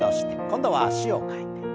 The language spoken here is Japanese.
今度は脚を替えて。